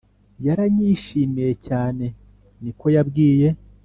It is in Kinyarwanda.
Yaranyishimiye cyane niko yabwiye